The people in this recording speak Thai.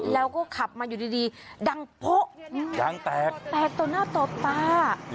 แล้วก็ขับมาอยู่ดีดังโป๊ะดังแตกแตกต่อหน้าต่อตา